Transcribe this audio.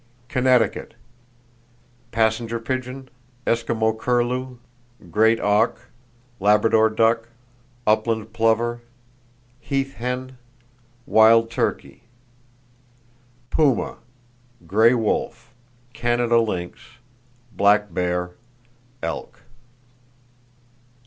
Connecticut: Passenger pigeon, Eskimo curlew, great auk, Labrador duck, upland plover, heath hen, wild turkey; puma, gray wolf, Canada lynx, black bear, elk.